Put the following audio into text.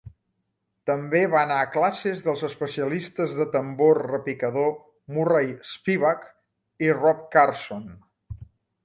També va anar a classes dels especialistes de tambor repicador Murray Spivack i Rob Carson.